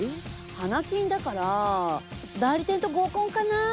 花金だから代理店と合コンかな？